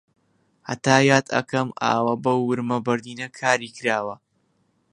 هەتا یاد ئەکەم ئاوە بەو ورمە بەردینە کاری کراوە